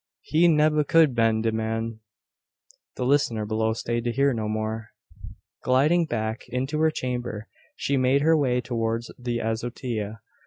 He nebba could been de man " The listener below stayed to hear no more. Gliding back into her chamber she made her way towards the azotea.